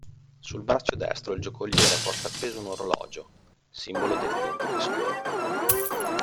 Sul braccio destro il giocoliere porta appeso un orologio, simbolo del tempo che scorre.